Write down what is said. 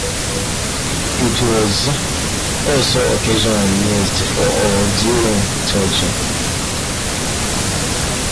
It was also occasionally used for or during torture.